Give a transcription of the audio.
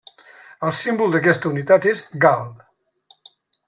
El símbol d'aquesta unitat és gal.